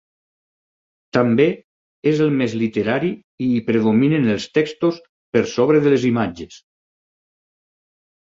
També és el més literari i hi predominen els textos per sobre de les imatges.